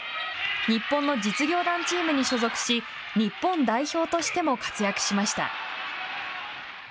日本の実業団チームに所属し日本代表としても活躍しました。